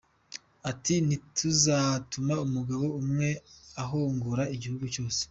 Ati: “Ntituzatuma umugabo umwe ahonyora igihugu cyose.”